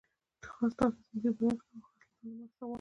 خاص تاته مونږ عبادت کوو، او خاص له نه مرسته غواړو